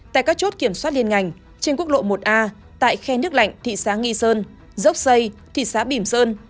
tại các chốt kiểm soát liên ngành trên quốc lộ một a tại khe nước lạnh thị xã nghi sơn dốc xây thị xã bỉm sơn